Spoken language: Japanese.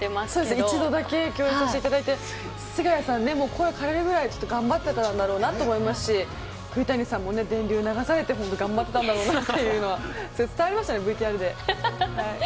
一度だけ共演させていただいてすがやさん、声が枯れるぐらい頑張ってたんだろうなと思いますし栗谷さんも電流流されて頑張ってたんだろうなっていうのがすごい伝わりましたね、ＶＴＲで。